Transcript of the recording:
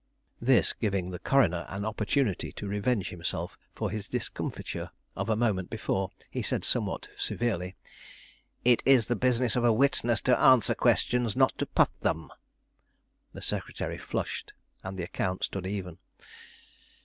This giving the coroner an opportunity to revenge himself for his discomfiture of a moment before, he said somewhat severely: "It is the business of a witness to answer questions, not to put them." The secretary flushed and the account stood even.